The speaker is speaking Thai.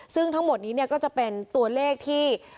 ซึ่งทั้งหมดนี้ก็จะเป็นตัวเลขที่